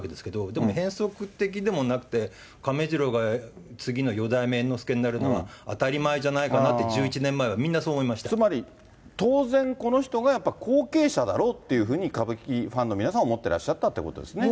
でも変則的でもなくて、亀治郎が次の四代目猿之助になるのは当たり前じゃないかなって、つまり当然、この人が、やっぱ後継者だろうっていうふうに、歌舞伎ファンの皆さんは思ってらっしゃったってことですね。